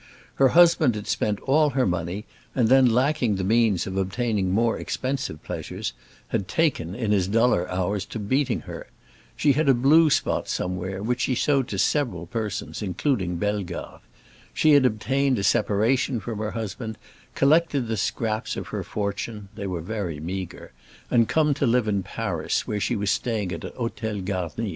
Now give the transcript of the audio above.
Her husband had spent all her money, and then, lacking the means of obtaining more expensive pleasures, had taken, in his duller hours, to beating her. She had a blue spot somewhere, which she showed to several persons, including Bellegarde. She had obtained a separation from her husband, collected the scraps of her fortune (they were very meagre) and come to live in Paris, where she was staying at a hôtel garni.